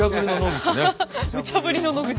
ハハハむちゃぶりの野口。